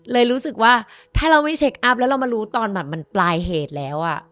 เลยรู้สึกว่าถ้าเราไม่เช็คอัพแล้วเรามารู้ตอนแบบมันปลายเหตุแล้ว